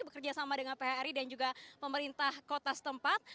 bekerja sama dengan phri dan juga pemerintah kota setempat